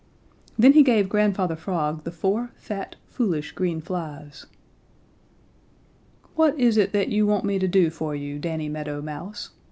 Then he gave Grandfather Frog the four fat, foolish, green flies. "What is it that you want me to do for you, Danny Meadow Mouse?"